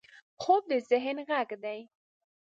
خوب د ذهن غږ دی